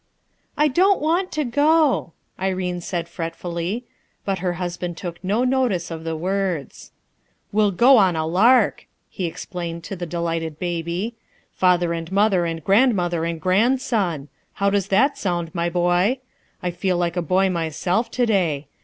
"I don't want to go/' Irene said fretfully. But her husband took no notice of the words. "We'll go on a lark!" he explained to the delighted baby. "Father and mother and grandmother and grandson. How does that sound, my boy ? I feel like a boy myself to day.